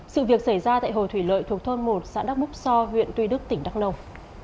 sự việc xảy ra tại hồ thủy lợi thuộc thôn một xã đắc múc so huyện tuy đức tỉnh đắk nông